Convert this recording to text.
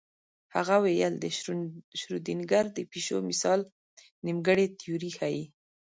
هغه ویل د شرودینګر د پیشو مثال نیمګړې تیوري ښيي.